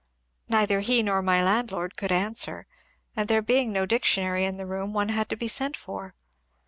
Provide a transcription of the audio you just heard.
Neither he nor my landlord could answer, and there being no dictionary in the room one had to be sent for.